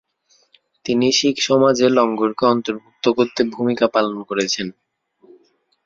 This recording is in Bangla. তিনি শিখসমাজে লঙ্গরকে অন্তর্ভুক্ত করতে ভূমিকা পালন করেছেন।